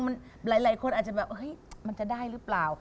หลายคนอาจจะแบบเฮ้ยมันจะได้หรือเปล่า